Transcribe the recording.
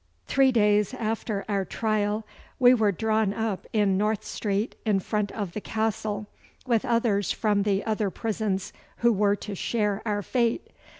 Three days after our trial we were drawn up in North Street in front of the Castle with others from the other prisons who were to share our fate.